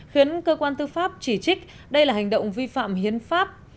khiến cơ quan tư pháp chỉ trích đây là hành động vi phạm hiến pháp